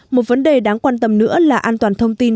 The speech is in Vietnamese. một vấn đề đáng quan tâm nữa là an toàn thông tin